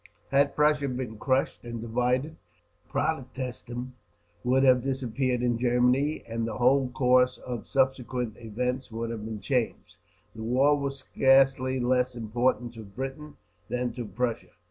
Had Prussia been crushed and divided, Protestantism would have disappeared in Germany, and the whole course of subsequent events would have been changed. The war was scarcely less important to Britain than to Prussia.